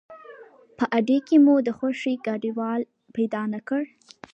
په اډې کې مو د خوښې ګاډیوان پیدا نه کړ.